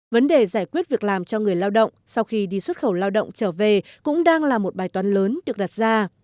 vấn đề giải quyết việc làm cho người lao động sau khi đi xuất khẩu lao động trở về cũng đang là một bài toán lớn được đặt ra